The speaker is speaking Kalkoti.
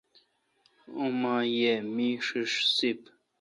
اوما یہ می ݭݭ سپ۔